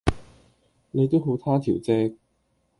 你都好他條即